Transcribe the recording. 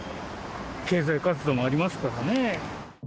経済活動もありますからね。